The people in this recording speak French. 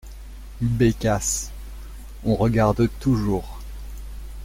Bécasse ! on regarde toujours.